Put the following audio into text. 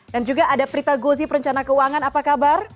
dan juga ada prita gozi perencana keuangan apa kabar